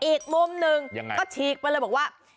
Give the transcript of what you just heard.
อีกมุมหนึ่งก็ฉีกไปเลยบอกว่า